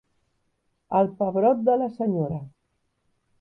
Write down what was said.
El pebrot de la senyora.